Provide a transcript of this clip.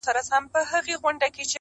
په تو پک نه سي قلم ته دعا وکړﺉ,